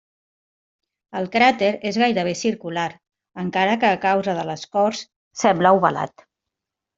El cràter és gairebé circular, encara que a causa de l'escorç sembla ovalat.